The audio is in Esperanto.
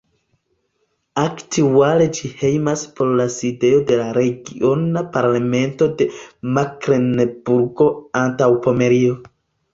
Aktuale ĝi hejmas por la sidejo de la Regiona Parlamento de Meklenburgo-Antaŭpomerio.